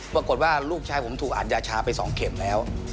ปรากฏว่าลูกชายผมถูกอัดยาชาไป๒เข็มแล้ว